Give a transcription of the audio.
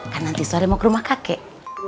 kan nanti sore mau ke rumah kakek